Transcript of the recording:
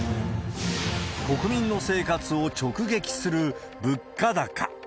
国民の生活を直撃する物価高。